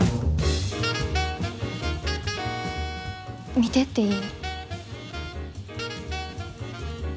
見てっていい？